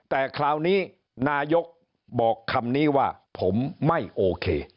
แต่คราวนี้นายกบอกคำนี้ว่าผมไม่โอเค